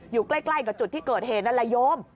อยู่ใกล้กับจุดที่เกิดเหตุนั่นแหละโยม